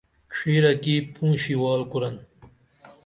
ڇھیرہ کی پونشی وال کُرن